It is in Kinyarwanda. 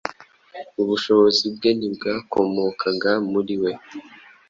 Ubushobozi bwe ntibwakomokaga muri we